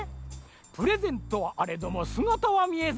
プレゼントはあれどもすがたはみえず。